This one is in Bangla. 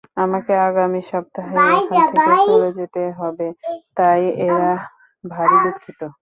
আমাকে আগামী সপ্তাহেই এখান থেকে চলে যেতে হবে, তাই এরা ভারি দুঃখিত।